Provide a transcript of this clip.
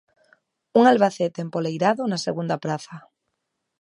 Un Albacete empoleirado na segunda praza.